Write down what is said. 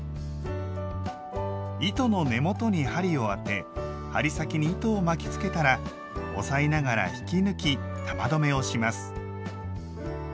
糸の根元に針をあて針先に糸を巻きつけたら押さえながら引き抜き玉留めをします。